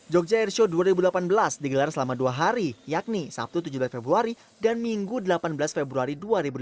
jogja airshow dua ribu delapan belas digelar selama dua hari yakni sabtu tujuh belas februari dan minggu delapan belas februari dua ribu delapan belas